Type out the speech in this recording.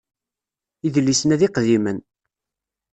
Idlisen-a d iqdimen.